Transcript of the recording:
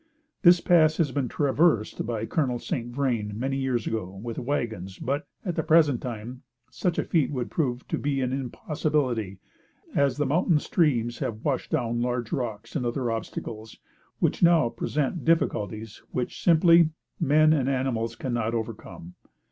This pass has been traversed by Col. St. Vrain, many years ago, with wagons; but, at the present time, such a feat would prove to be an impossibility, as the mountain streams have washed down large rocks and other obstacles, which now present difficulties which simply men and animals cannot overcome.